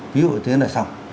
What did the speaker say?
ví dụ thế là xong